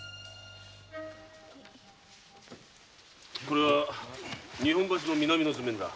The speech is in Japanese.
これは日本橋の南の図面だ。